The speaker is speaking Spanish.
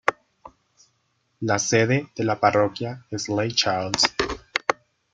La sede de la parroquia es Lake Charles.